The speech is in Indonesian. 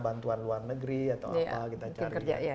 bantuan luar negeri atau apa